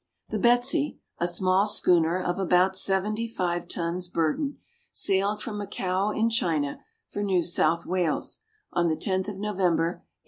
The Betsey, a small schooner of about 75 tons burden, sailed from Macao in China, for New South Wales, on the 10th of November, 1805.